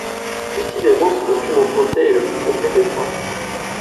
Décidément, ce document français est le plus complet des trois.